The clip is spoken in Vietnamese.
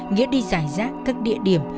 nghĩa đi giải rác các địa điểm